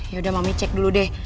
yaudah mami cek dulu deh